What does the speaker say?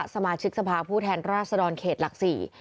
สมาชิกสภาพผู้แทนราชดรเขตหลักสี่